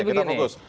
baik kita fokus